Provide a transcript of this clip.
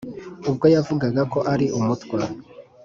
ubwo yavugaga ko ari umutwa.